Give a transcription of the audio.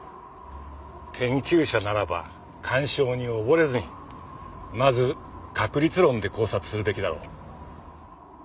研究者ならば感傷におぼれずにまず確率論で考察するべきだろう。